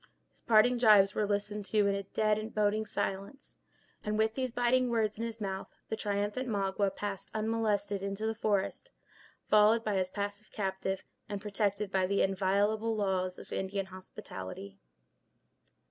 His parting gibes were listened to in a dead, boding silence, and, with these biting words in his mouth, the triumphant Magua passed unmolested into the forest, followed by his passive captive, and protected by the inviolable laws of Indian hospitality.